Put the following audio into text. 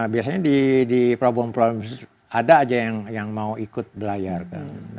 biasanya di pelabuhan pelabuhan ada aja yang mau ikut belayar kan